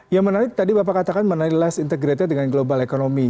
yang menarik tadi bapak katakan mengenai less integrated dengan global economy